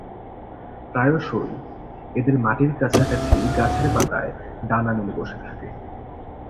প্রায়শই এদের মাটির কাছাকাছি গাছের পাতায় ডানা মেলে বসে থাকে।